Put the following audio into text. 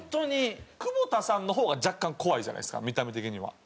久保田さんの方が若干怖いじゃないですか見た目的には。